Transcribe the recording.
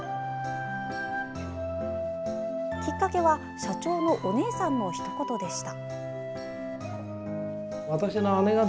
きっかけは社長のお姉さんのひと言でした。